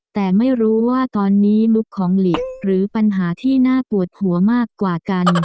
แต่ไม่รู้ว่าตอนนี้มุกของหลีกหรือปัญหาที่น่าปวดหัวมากกว่ากัน